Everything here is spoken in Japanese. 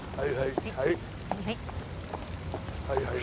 はいはいはい。